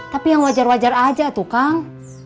tapi yang wajar wajar aja tuh kang